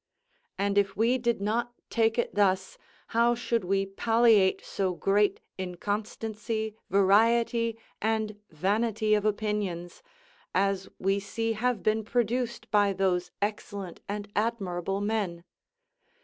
And if we did not take it thus, how should we palliate so great inconstancy, variety, and vanity of opinions, as we see have been produced by those excellent and admirable men?